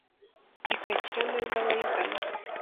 ikakira neza abayigana